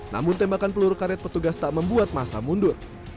namun tembakan peluru karet petugas tak membuat masa mundur